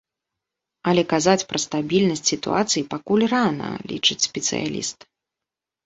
Але казаць пра стабільнасць сітуацыі пакуль рана, лічыць спецыяліст.